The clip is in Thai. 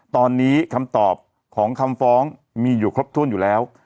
ตอนนี้คำตอบของคำฟ้องมีอยู่ครบถ้วนอยู่แล้ว